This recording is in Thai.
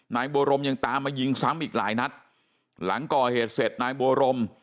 นายบัวรมยังตามมายิงซ้ำอีกหลายนัดหลังก่อเหตุเสร็จนายบัวรม